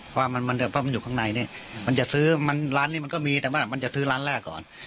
เพราะมันเพราะมันอยู่ข้างในนี่มันจะซื้อมันร้านนี้มันก็มีแต่มันจะซื้อร้านแรกก่อน